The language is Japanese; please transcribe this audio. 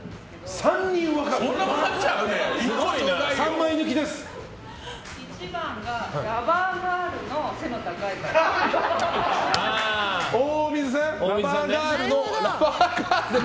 ３人分かるんですけど。